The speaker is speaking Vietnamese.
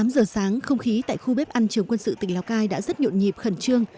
tám giờ sáng không khí tại khu bếp ăn trường quân sự tỉnh lào cai đã rất nhộn nhịp khẩn trương